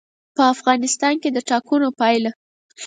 په افغانستان کې د ټاکنو پایله.